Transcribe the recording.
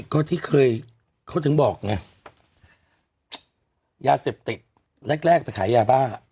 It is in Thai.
ก็ที่เคยเขาถึงบอกไงยาเสพติดแรกแรกไปขายยาบ้า